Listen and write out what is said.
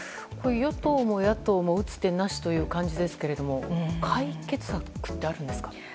与党も野党も打つ手なしということですが解決策ってあるんですか？